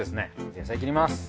野菜切ります。